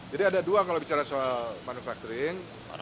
jadi ada dua kalau bicara soal manufacturing